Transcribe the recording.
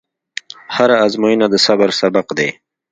هره ازموینه د صبر سبق دی.